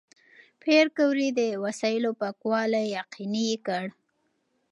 پېیر کوري د وسایلو پاکوالی یقیني کړ.